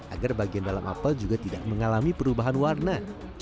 agar bagian dalam apel juga tidak mengalami perubahan warna